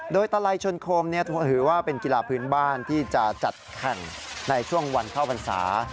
โดยตลัยชนโคมถือว่าเป็นกีฬาพื้นบ้านที่จะจัดแข่งในช่วงวันเข้าพรรษา